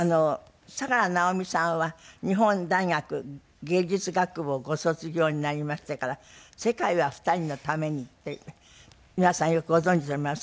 佐良直美さんは日本大学芸術学部をご卒業になりましてから『世界は二人のために』っていう皆さんよくご存じだと思います。